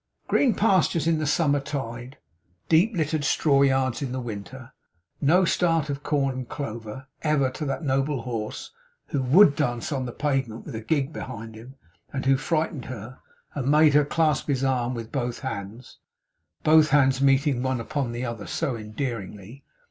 Green pastures in the summer tide, deep littered straw yards in the winter, no start of corn and clover, ever, to that noble horse who WOULD dance on the pavement with a gig behind him, and who frightened her, and made her clasp his arm with both hands (both hands meeting one upon the another so endearingly!)